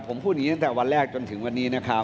ผมพูดอย่างนี้ตั้งแต่วันแรกจนถึงวันนี้นะครับ